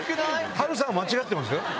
波瑠さんは間違ってましたよ